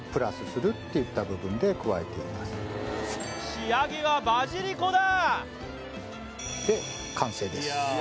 仕上げはバジリコだ。